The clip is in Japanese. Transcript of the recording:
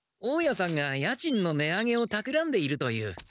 大家さんが家賃の値上げをたくらんでいるという。